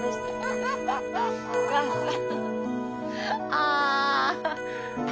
ああ。